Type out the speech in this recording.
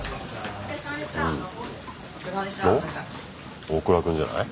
おっ大倉君じゃない？